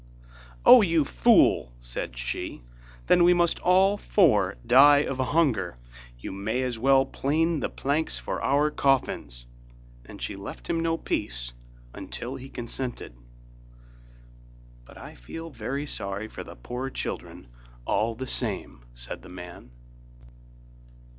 'O, you fool!' said she, 'then we must all four die of hunger, you may as well plane the planks for our coffins,' and she left him no peace until he consented. 'But I feel very sorry for the poor children, all the same,' said the man.